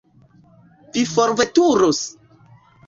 Vi forveturos?